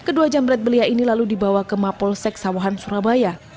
kedua jamret belia ini lalu dibawa ke mapol sek sawahan surabaya